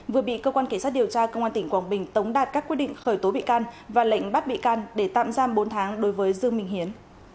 vừa bị cơ quan cảnh sát điều tra công an tỉnh quảng bình tống đạt các quyết định khởi tố bị can và lệnh bắt bị can để tạm giam bốn tháng đối với dương minh hiến